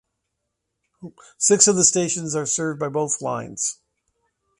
Six of the stations are served by both lines.